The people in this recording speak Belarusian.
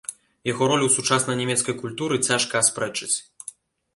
Яго ролю ў сучаснай нямецкай культуры цяжка аспрэчыць.